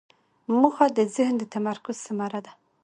موخه د ذهن د تمرکز ثمره ده.